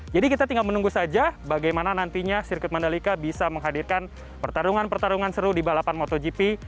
jadi kita tinggal menunggu saja bagaimana nantinya sirkuit mandelika bisa menghadirkan pertarungan pertarungan seru di balapan motogp